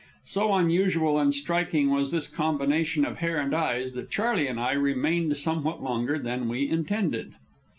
So unusual and striking was this combination of hair and eyes that Charley and I remained somewhat longer than we intended.